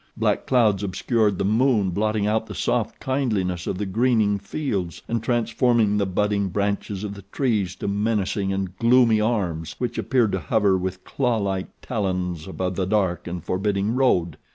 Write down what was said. Black clouds obscured the moon blotting out the soft kindliness of the greening fields and transforming the budding branches of the trees to menacing and gloomy arms which appeared to hover with clawlike talons above the dark and forbidding road.